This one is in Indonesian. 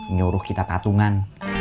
nyuruh kita patungan